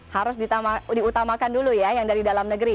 harus diutamakan dulu ya yang dari dalam negeri